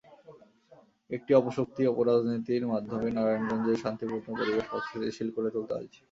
একটি অপশক্তি অপরাজনীতির মাধ্যমে নারায়ণগঞ্জের শান্তিপূর্ণ পরিবেশ অস্থিতিশীল করে তুলতে চাইছে।